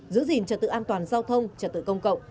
giữ gìn trật tự an toàn giao thông trật tự công cộng